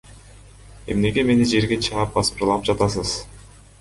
Эмнеге мени жерге чаап, басмырлап жатасыз?